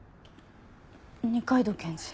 二階堂検事。